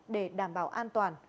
để đảm bảo an toàn